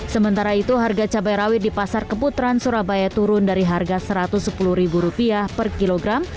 sementara itu harga cabai rawit di pasar keputaran surabaya turun dari harga rp satu ratus sepuluh per kilogram